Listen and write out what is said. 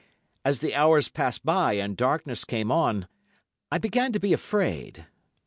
As the hours passed by and darkness came on, I began to be afraid.